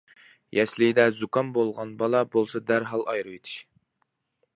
يەسلىدە زۇكام بولغان بالا بولسا دەرھال ئايرىۋېتىش.